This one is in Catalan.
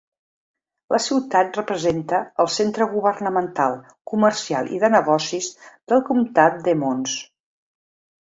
La ciutat representa el centre governamental, comercial i de negocis del comtat d'Emmons.